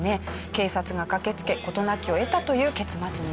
警察が駆けつけ事なきを得たという結末になっています。